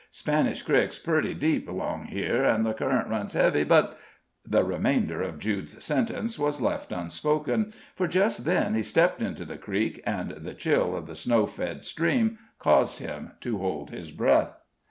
Spanish Crick's purty deep along here, an' the current runs heavy, but " The remainder of Jude's sentence was left unspoken, for just then he stepped into the creek, and the chill of the snow fed stream caused him to hold his breath.